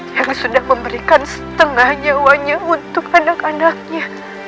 yang sudah memberikan setengah nyawanya untuk anak anaknya